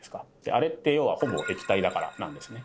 あれって要はほぼ液体だからなんですね。